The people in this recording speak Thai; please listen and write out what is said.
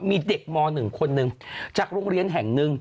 มีเด็กม๑คนหนึ่งจากโรงเรียนแห่งหนึ่ง